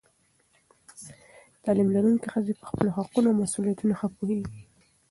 تعلیم لرونکې ښځې پر خپلو حقونو او مسؤلیتونو ښه پوهېږي.